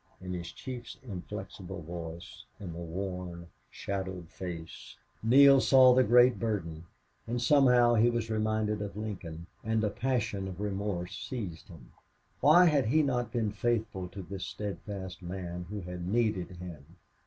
In his chief's inflexible voice, in the worn, shadowed face, Neale saw the great burden, and somehow he was reminded of Lincoln, and a passion of remorse seized him. Why had he not been faithful to this steadfast man who had needed him!